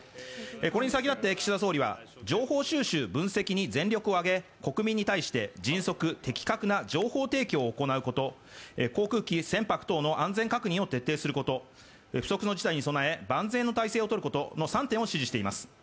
これに先立って岸田総理は、情報収集、分析に全力を挙げ国民に対して迅速、的確な情報提供を行うこと、航空機、船舶等の安全確認を徹底すること不測の事態に備え万全の態勢をとることの３点を指示しています。